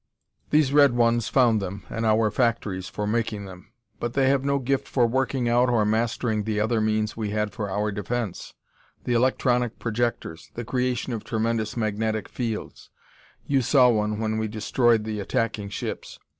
"These red ones found them, and our factories for making them. But they have no gift for working out or mastering the other means we had for our defense the electronic projectors, the creation of tremendous magnetic fields: you saw one when we destroyed the attacking ships.